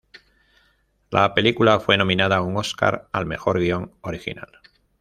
La película fue nominada a un Oscar al mejor guion original.